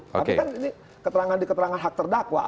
tapi kan ini keterangan di keterangan hak terdakwa